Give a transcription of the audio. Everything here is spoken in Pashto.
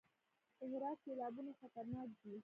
د هرات سیلابونه خطرناک دي